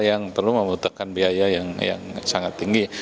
yang perlu membutuhkan biaya yang sangat tinggi